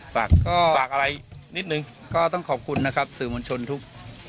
ฝากก็ฝากอะไรนิดนึงก็ต้องขอบคุณนะครับสื่อมวลชนทุก